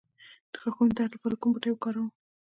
د غاښونو د درد لپاره کوم بوټی وکاروم؟